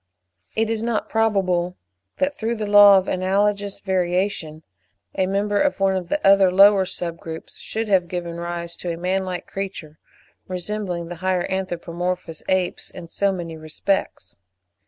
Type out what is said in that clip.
It is not probable that, through the law of analogous variation, a member of one of the other lower sub groups should have given rise to a man like creature, resembling the higher anthropomorphous apes in so many respects.